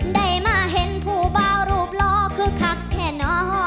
ได้มาเห็นผู้บาวรูปหลอกคือคักแท่นอ